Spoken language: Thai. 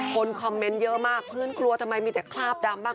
คนคอมเมนต์เยอะมากเพื่อนกลัวทำไมมีแต่คราบดำบ้าง